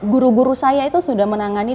guru guru saya itu sudah menangani